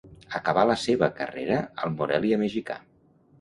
Acabà la seva carrera al Morelia mexicà.